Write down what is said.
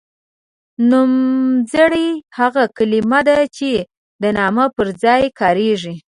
نومځری هغه کلمه ده چې د نامه پر ځای کاریږي.